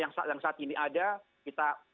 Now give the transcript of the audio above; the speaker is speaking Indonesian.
yang saat ini ada kita